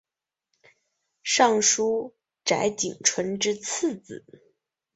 尚书瞿景淳之次子。